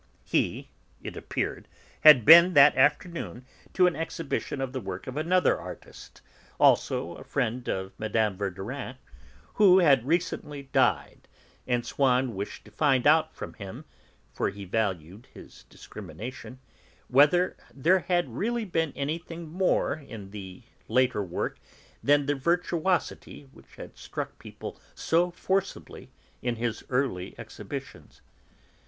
He, it appeared, had been that afternoon to an exhibition of the work of another artist, also a friend of Mme. Verdurin, who had recently died, and Swann wished to find out from him (for he valued his discrimination) whether there had really been anything more in this later work than the virtuosity which had struck people so forcibly in his earlier exhibitions.